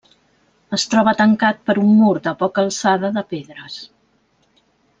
Es troba tancat per un mur de poca alçada de pedres.